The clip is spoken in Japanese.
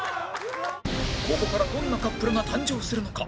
ここからどんなカップルが誕生するのか？